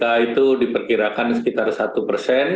angka itu diperkirakan sekitar satu persen